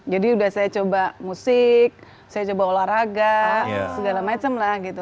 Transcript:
jadi udah saya coba musik saya coba olahraga segala macem lah gitu